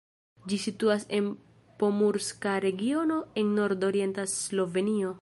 Ĝi situas en Pomurska regiono en nordorienta Slovenio.